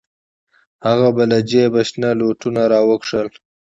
هغه به له جيبه شنه لوټونه راوکښل.